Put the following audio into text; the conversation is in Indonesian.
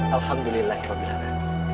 alhamdulillah ibu bilana